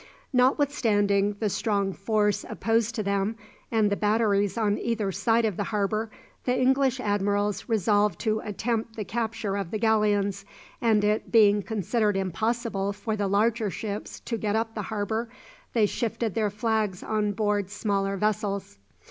Notwithstanding the strong force opposed to them and the batteries on either side of the harbour, the English admirals resolved to attempt the capture of the galleons, and it being considered impossible for the larger ships to get up the harbour, they shifted their flags on board smaller vessels.